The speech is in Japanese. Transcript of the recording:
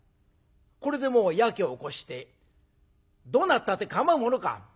これでもうやけを起こしてどうなったって構うものか。